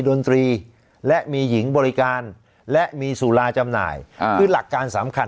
ดนตรีและมีหญิงบริการและมีสุราจำหน่ายคือหลักการสำคัญ